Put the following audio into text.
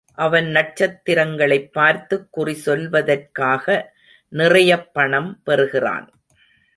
அவன் நட்சத்திரங்களைப் பார்த்துக் குறி சொல்வதற்காக நிறையப் பணம் பெறுகிறான்.